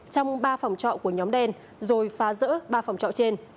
trong ba phòng trọ của nhóm đen rồi phá rỡ ba phòng trọ trên